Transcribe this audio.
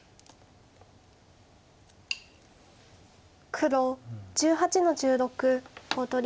黒１８の十六コウ取り。